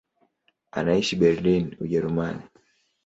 Anaishi Berlin, Ujerumani.